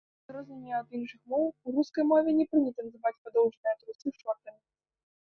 У адрозненне ад іншых моў, у рускай мове не прынята называць падоўжаныя трусы шортамі.